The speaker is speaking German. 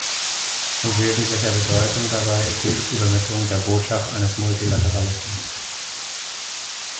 Von wesentlicher Bedeutung dabei ist die Übermittlung der Botschaft eines Multilateralismus.